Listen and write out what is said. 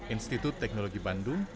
institut teknologi bandung